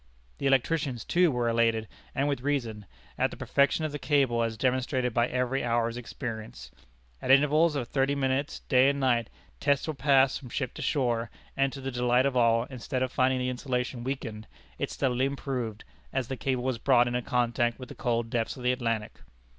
The electricians, too, were elated, and with reason, at the perfection of the cable as demonstrated by every hour's experience. At intervals of thirty minutes, day and night, tests were passed from ship to shore, and to the delight of all, instead of finding the insulation weakened, it steadily improved as the cable was brought into contact with the cold depths of the Atlantic.